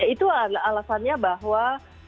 itu adalah alasannya bahwa